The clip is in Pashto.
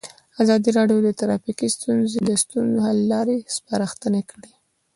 ازادي راډیو د ټرافیکي ستونزې د ستونزو حل لارې سپارښتنې کړي.